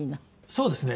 そうですね。